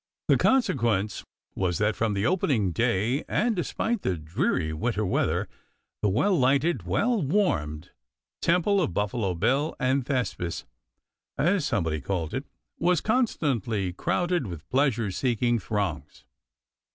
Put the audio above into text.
The consequence was that from the opening day, and despite the dreary winter weather, the well lighted, well warmed "Temple of Buffalo Bill and Thespis" as somebody called it was constantly crowded with pleasure seeking throngs.